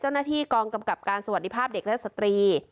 เจ้าหน้าที่กองกำกับการสวัสดีภาพเด็กและสตรี